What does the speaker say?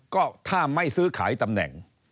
ก็ถ้าไม่ซื้อขายตำแหน่ง